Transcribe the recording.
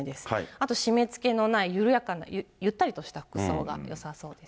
あと、締め付けのない緩やかな、ゆったりとした服装がよさそうです